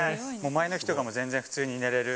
前の日とかも普通に寝れる？